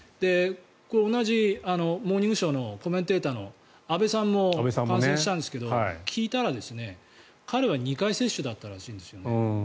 同じ「モーニングショー」のコメンテーターの安部さんも感染したんですが聞いたら、彼は２回接種だったらしいんですね。